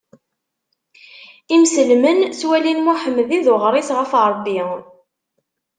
Imselmen ttwalin Muḥemmed i d uɣris ɣef Rebbi.